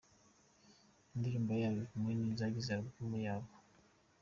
ndirimbo yabo ari imwe mu zigize alubumu yabo.